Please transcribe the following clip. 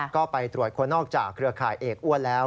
ก็ไปตรวจคนนอกจากเครือข่ายเอกอ้วนแล้ว